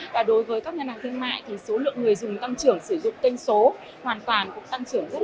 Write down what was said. và đối với các ngân hàng thương mại thì số lượng người dùng tăng trưởng sử dụng kênh số hoàn toàn cũng tăng trưởng rất cao